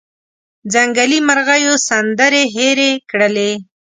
ځنګلي مرغېو سندرې هیرې کړلې